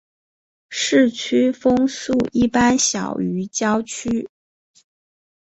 市区风速一般小于郊区。